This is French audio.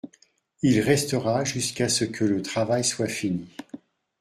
Il restera jusqu’à ce que le travail soit fini.